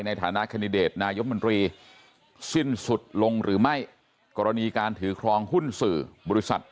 ในฐานะแคนดิเดตนายมนตรีสิ้นสุดลงหรือไม่กรณีการถือครองหุ้นสื่อบริษัท